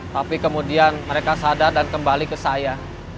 tapi kemudian mereka sadar dan kembali ke saya